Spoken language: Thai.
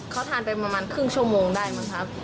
แล้วตอนนี้ประมาณนหนึ่งชั่วโมงได้ปะนะครับ